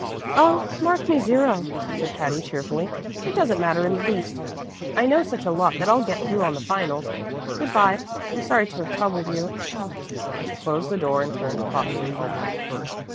"Oh, mark me zero," said Patty, cheerfully. "It doesn't matter in the least I know such a lot that I'll get through on the finals. Good by; I'm sorry to have troubled you." And she closed the door and turned thoughtfully homeward.